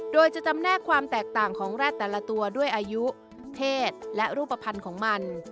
โดยจะจำแนกความแตกต่างของแร็ดแต่ละตัวด้วยอายุเทศและรูปภัณฑ์ของมัน